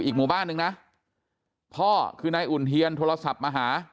หมู่บ้านนึงนะพ่อคือนายอุ่นเทียนโทรศัพท์มาหา